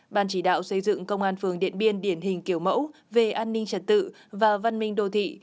ban chỉ đạo xây dựng công an phường điện biên điển hình kiểu mẫu về an ninh trật tự và văn minh đô thị